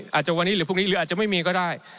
อาจจะวันนี้หรือพรุ่งนี้หรืออาจจะไม่มีก็ได้